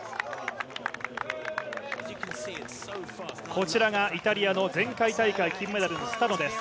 こちらがイタリアの前回大会金メダル、スタノです。